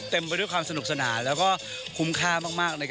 เต็มไปด้วยความสนุกสนาน